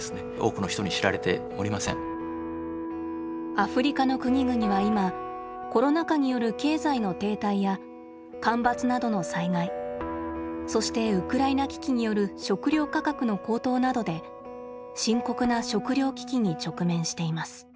アフリカの国々はいまコロナ禍による経済の停滞や干ばつなどの災害そしてウクライナ危機による食料価格の高騰などで深刻な食料危機に直面しています。